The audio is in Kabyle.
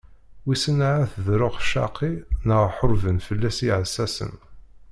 Wisen ahat d ṛṛuḥ ccaqi neɣ ḥurben fell-as yiɛessasen.